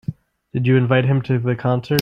Did you invite him to the concert?